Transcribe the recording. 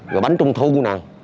rồi bánh trung thu nào